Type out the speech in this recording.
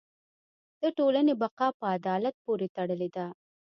د ټولنې بقاء په عدالت پورې تړلې ده.